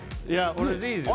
これでいいです